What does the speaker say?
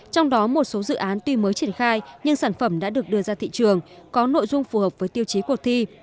trong đó một số dự án tuy mới triển khai nhưng sản phẩm đã được đưa ra thị trường có nội dung phù hợp với tiêu chí cuộc thi